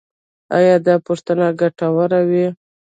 ایا دا پوښتنې ګټورې وې؟